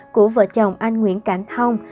của vợ chồng anh nguyễn cảnh hồng